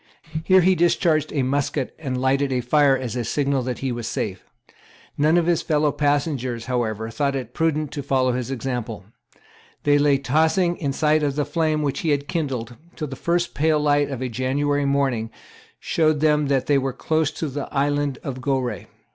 Here he discharged a musket and lighted a fire as a signal that he was safe. None of his fellow passengers, however, thought it prudent to follow his example. They lay tossing in sight of the flame which he had kindled, till the first pale light of a January morning showed them that they were close to the island of Goree.